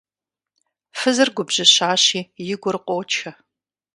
Фызыр губжьыщащи, и гур къочэ.